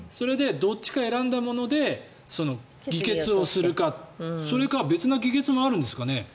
それでどっちか選んだもので議決をするかそれか別の議決もあるんですかね。